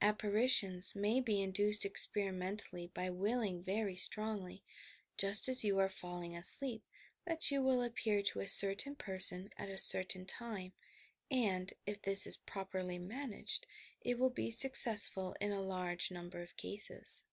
Apparitions may be induced experimentally by willing very strongly, just as you are falling asleep that you will appear to a certain person at a certain time, and, if this is properly managed, it will be successful in a large number of cases.